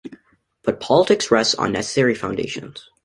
But politics rest on necessary foundations.